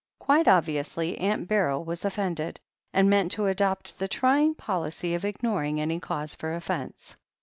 Quite obviously Aunt Beryl was offended, and meant to adopt the trying policy of ignoring any cause for offence.